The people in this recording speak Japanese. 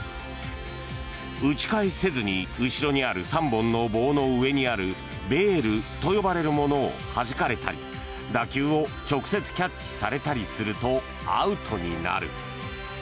打ち返せずに後ろにある３本の棒の上にあるベールと呼ばれるものをはじかれたり打球を直接キャッチされたりするとアウトになる。